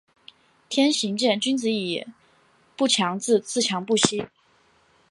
天行健，君子以不强自……自强不息。